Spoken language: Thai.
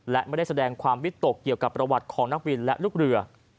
และไม่ได้แสดงความวิตกเกี่ยวกับประวัติของนักบินและลูกเรือ